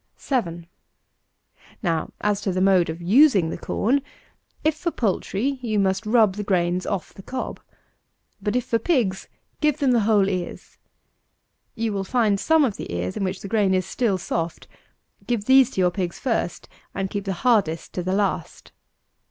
7. Now, as to the mode of using the corn; if for poultry, you must rub the grains off the cob; but if for pigs, give them the whole ears. You will find some of the ears in which the grain is still soft. Give these to your pig first; and keep the hardest to the last.